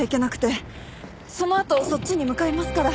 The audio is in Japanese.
そのあとそっちに向かいますから。